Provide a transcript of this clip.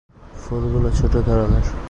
ফুলগুলো ছোট ধরনের।